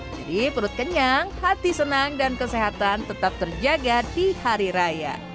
jadi perut kenyang hati senang dan kesehatan tetap terjaga di hari raya